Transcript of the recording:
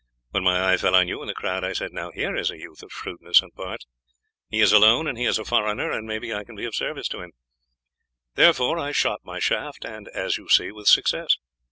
When my eye fell on you in the crowd I said: Here is a youth of shrewdness and parts, he is alone and is a foreigner, and maybe I can be of service to him; therefore I shot my shaft, and, as you see, with success.